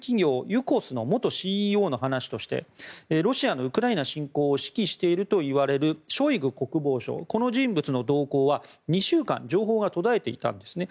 ユコスの元ＣＥＯの話としてロシアのウクライナ侵攻を指揮しているとみられるショイグ国防相この人物の動向は２週間情報が途絶えていたんですね。